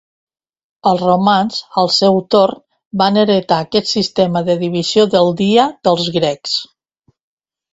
Els romans, al seu torn, van heretar aquest sistema de divisió del dia dels grecs.